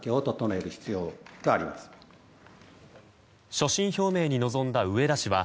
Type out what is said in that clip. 所信表明に臨んだ植田氏は